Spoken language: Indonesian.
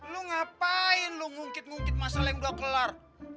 lo ngapain lo ngungkit ngungkit masalah yang udah kelar